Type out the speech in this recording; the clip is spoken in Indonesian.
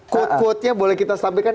quote quotenya boleh kita sampaikan